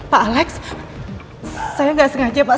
pak alex saya nggak sengaja pak